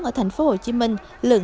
ở tp hcm lượng